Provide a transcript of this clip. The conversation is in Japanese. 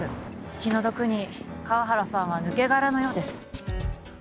☎気の毒に河原さんは抜け殻のようです